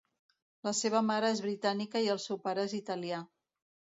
La seva mare és britànica i el seu pare és italià.